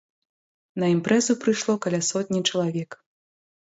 На імпрэзу прыйшло каля сотні чалавек.